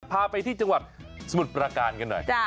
พาไปที่จังหวัดสมุทรประการกันหน่อย